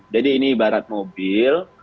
jadi ini ibarat mobil